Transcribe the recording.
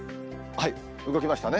動きましたね。